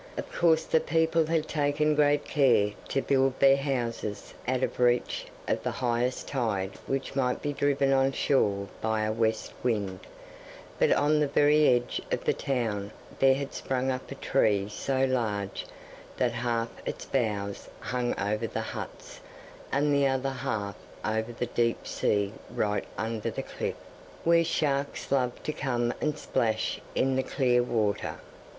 Of course the people had taken great care to build their houses out of reach of the highest tide which might be driven on shore by a west wind, but on the very edge of the town there had sprung up a tree so large that half its boughs hung over the huts and the other half over the deep sea right under the cliff, where sharks loved to come and splash in the clear water.